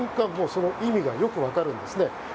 その意味が分かるんですね。